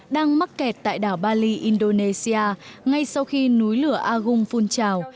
đang mắc kẹt tại đảo bali indonesia ngay sau khi núi lửa agung phun trào